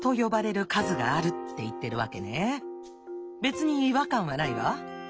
別に違和感はないわ。